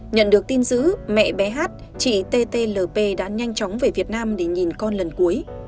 nhận được tin giữ mẹ bé hát chị ttlp đã nhanh chóng về việt nam để nhìn con lần cuối